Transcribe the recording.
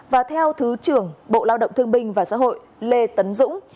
và theo thứ trưởng bộ lao động thương binh và xã hội lê tấn dũng